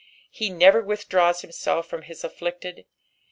He never withdraws himself from his afflicted.